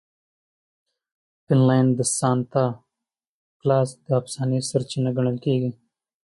فنلنډ د سانتا کلاز د افسانې سرچینه ګڼل کیږي.